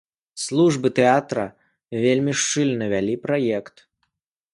Службы тэатра вельмі шчыльна вялі праект.